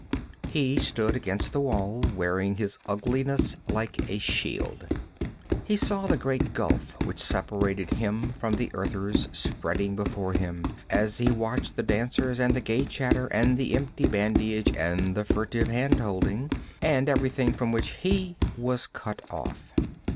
He stood against the wall, wearing his ugliness like a shield. He saw the great gulf which separated him from the Earthers spreading before him, as he watched the dancers and the gay chatter and the empty badinage and the furtive hand holding, and everything else from which he was cut off.